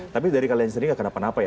tapi dari kalian sendiri gak kenapa napa ya